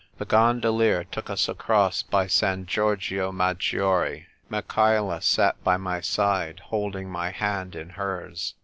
The gondolier took us across by San Giorgio Maggiore. Michaela sat by my side, holding my hand in hers.